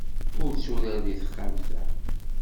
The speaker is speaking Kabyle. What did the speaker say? Ur tturar deg texxamt-a.